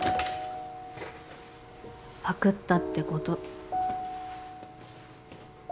パクったってこと。